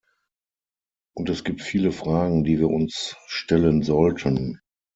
Und es gibt viele Fragen, die wir uns stellen sollten.